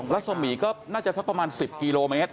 ลักษมมี่ก็น่าจะเท่าประมาณ๑๐กิโลเมตร